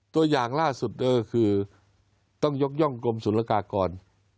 ตัวอย่างล่าสุดก็คือต้องยกย่องกรมศุลกากร